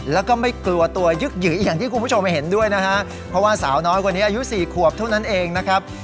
แล้วก็ไม่กลัวตัวยึกหยีอย่างที่คุณผู้ชมเห็นด้วยนะฮะเพราะว่าสาวน้อยคนนี้อายุสี่ขวบเท่านั้นเองนะครับ